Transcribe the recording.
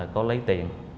có lấy tiền